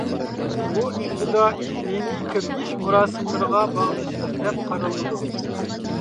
بۇ ئىپتىدائىي دىنىي كۆپىيىش مۇراسىملىرىغا باغلىنىشلىق، دەپ قارىلىدۇ.